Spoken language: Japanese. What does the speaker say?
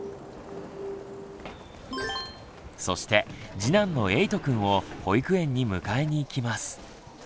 そして次男のえいとくんを保育園に迎えに行きます。